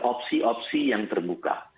opsi opsi yang terbuka